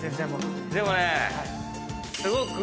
でもね。